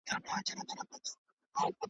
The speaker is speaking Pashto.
خړي وریځي به رخصت سي نور به نه وي توپانونه .